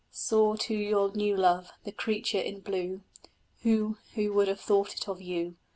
Soar to your new love the creature in blue! Who, who would have thought it of you!